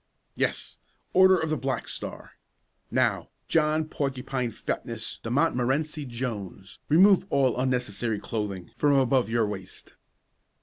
"Yes, Order of the Black Star. Now, John Porcupine Fatness de Montmorency Jones, remove all unnecessary clothing from above your waist."